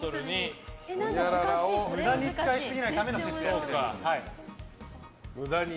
無駄に使いすぎないための節約です。